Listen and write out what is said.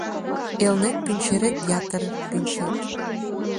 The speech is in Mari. Элнет пӱнчерет - ятыр пӱнчет